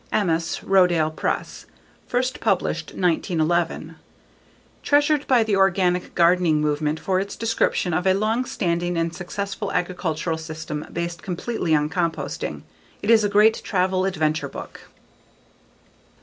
_ Emmaus: Rodale Press, first published 1911. Treasured by the organic gardening movement for its description of a long standing and successful agricultural system based completely on composting. It is a great travel/adventure book.